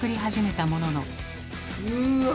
うわ。